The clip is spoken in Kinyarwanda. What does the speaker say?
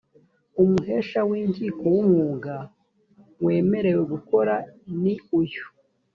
umuhesha w’inkiko w’umwuga wemerewe gukora ni uyu